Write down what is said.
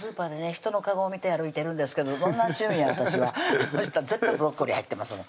人のかごを見て歩いてるんですけどどんな趣味や私はそしたら絶対ブロッコリー入ってますもん